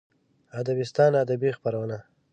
ادبستان ادبي خپرونه